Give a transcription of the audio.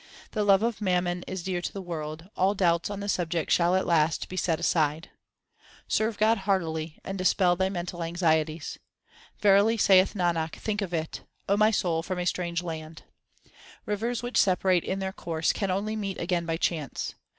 The love of mammon is dear to the world ; all doubts on the subject shall at last be set aside. 5 Serve God heartily, and dispel thy mental anxieties. Verily, saith Nanak, think of it, O my soul from a strange land, Rivers which separate in their course can only meet again by chance.